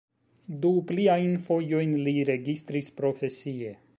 Du pliajn fojojn li registris profesie.